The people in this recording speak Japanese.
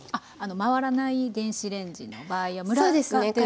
回らない電子レンジの場合はムラが出る。